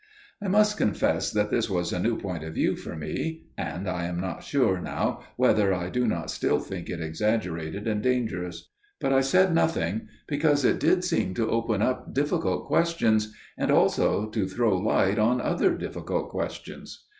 _" I must confess that this was a new point of view for me; and I am not sure now whether I do not still think it exaggerated and dangerous; but I said nothing, because it did seem to open up difficult questions, and also to throw light on other difficult questions.